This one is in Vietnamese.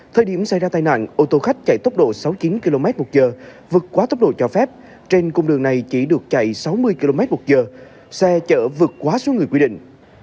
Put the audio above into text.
thời điểm xảy ra tai nạn ô tô khách chạy tốc độ sáu mươi chín kmh vượt quá tốc độ cho phép trên cùng đường này chỉ được chạy sáu mươi kmh xe chở vượt quá số người quy định